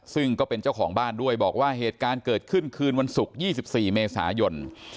ซึ่งก็เป็นเจ้าของบ้านด้วยบอกว่าเหตุการณ์เกิดขึ้นคืนวันศุกร์๒๔เมษายน